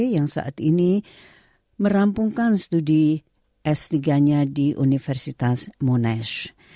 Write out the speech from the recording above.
yang saat ini merampungkan studi s tiga nya di universitas monash